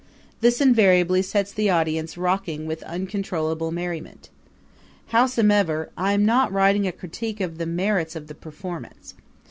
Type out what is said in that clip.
This invariably sets the audience rocking with uncontrollable merriment. Howsomever, I am not writing a critique of the merits of the performance.